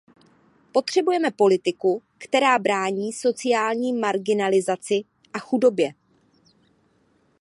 Potřebujeme politiku, která brání sociální marginalizaci a chudobě.